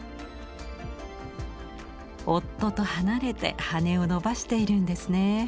夫と離れて羽を伸ばしているんですね。